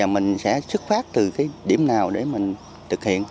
mình sẽ xuất phát từ cái điểm nào để mình thực hiện